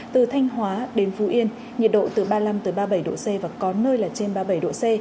từ thanh hóa đến phú yên nhiệt độ từ ba mươi năm ba mươi bảy độ c và có nơi là trên ba mươi bảy độ c